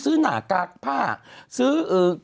คุณหนุ่มกัญชัยได้เล่าใหญ่ใจความไปสักส่วนใหญ่แล้ว